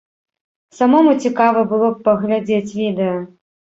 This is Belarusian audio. Самому цікава было б паглядзець відэа.